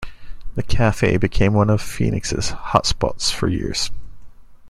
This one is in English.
The Cafe became one of Phoenix's hot spots for years.